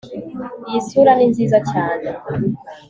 Iyi sura ni nziza cyane